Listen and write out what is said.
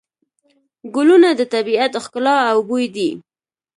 ګلونه د طبیعت ښکلا او بوی دی.